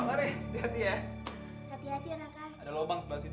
ada lubang sebelah situ